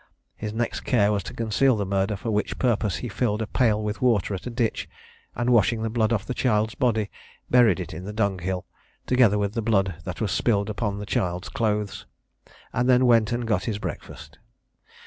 His next care was to conceal the murder for which purpose he filled a pail with water at a ditch, and washing the blood off the child's body, buried it in the dunghill, together with the blood that was spilled upon the child's clothes, and then went and got his breakfast.